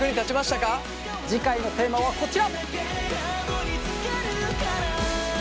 次回のテーマはこちら！